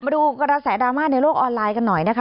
มาดูกระแสดราม่าในโลกออนไลน์กันหน่อยนะคะ